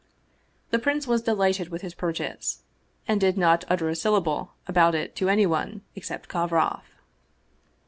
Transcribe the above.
The prince was delighted with his purchase, and he did not utter a sylla ble about it to anyone except Kovroff.